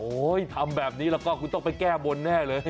ทำแบบนี้แล้วก็คุณต้องไปแก้บนแน่เลย